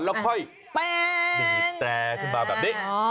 แล้วค่อยแป้งมีแปรขึ้นมาแบบนี้